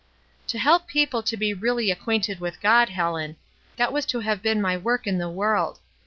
''To help people to be 'really acquainted with God,' Helen. That was to have been my work in the world.